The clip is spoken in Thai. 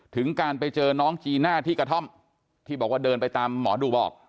ถึงการไปเจอน้องจีน่าที่กระท่อมที่บอกว่าเดินไปตามหมอดูบอก